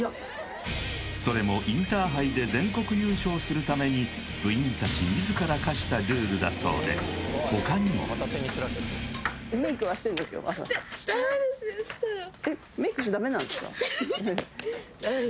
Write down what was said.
それもインターハイで全国優勝するために部員達自ら課したルールだそうで他にもスポーツ学校なんでたぶん